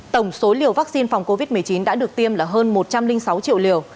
tổng số liều vaccine phòng covid một mươi chín đã được tiêm là hơn một trăm linh sáu triệu liều